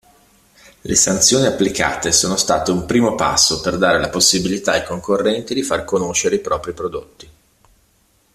Le sanzioni applicate sono state un primo passo per dare la possibilità ai concorrenti di far conoscere i propri prodotti.